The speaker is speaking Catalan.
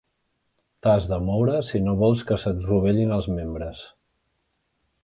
T'has de moure si no vols que se't rovellin els membres.